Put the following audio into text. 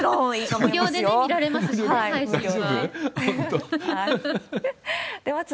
無料で見られますしね、大丈夫？